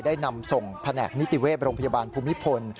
ได้นำส่งแผนกนิติเวศโรงพยาบาลภูมิพล